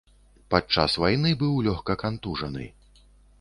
Падчас вайны быў лёгка кантужаны.